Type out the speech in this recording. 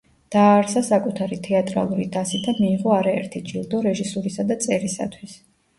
დააარსა საკუთარი თეატრალური დასი და მიიღო არაერთი ჯილდო რეჟისურისა და წერისათვის.